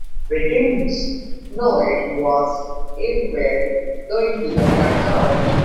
We didn't know it was ever going to come out.